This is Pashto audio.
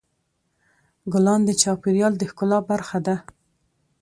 ګلان د چاپېریال د ښکلا برخه ده.